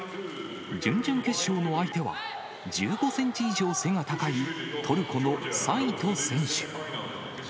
準々決勝の相手は、１５センチ以上背が高い、トルコのサイト選手。